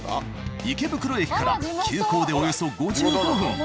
池袋駅から急行でおよそ５５分。